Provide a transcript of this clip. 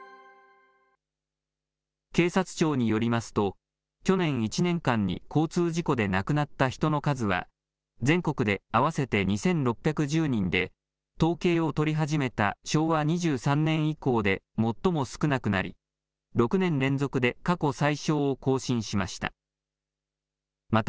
警察庁によりますと、去年１年間に交通事故で亡くなった人の数は、全国で合わせて２６１０人で、統計を取り始めた昭和２３年以降で最も少なくなり、６年連続で過去最少を更新しました。